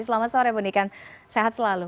selamat sore bunikan sehat selalu